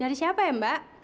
dari siapa ya mbak